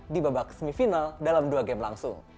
di babak semifinal dalam dua game langsung